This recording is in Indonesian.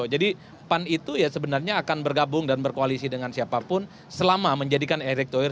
jadi pan itu ya sebenarnya akan bergabung dan berkoalisi dengan siapapun selama menjadikan erick thohir